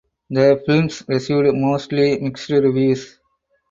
The films received mostly mixed reviews.